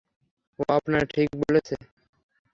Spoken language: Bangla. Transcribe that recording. ও আপনার ঠিকানা বলেছিল।